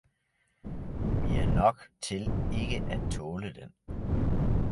Vi er nok til ikke at tåle den!